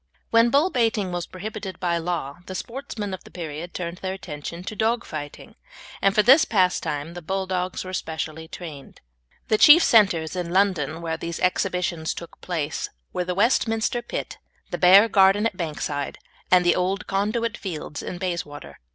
When bull baiting was prohibited by law the sportsmen of the period turned their attention to dog fighting, and for this pastime the Bulldogs were specially trained. The chief centres in London where these exhibitions took place were the Westminster Pit, the Bear Garden at Bankside, and the Old Conduit Fields in Bayswater.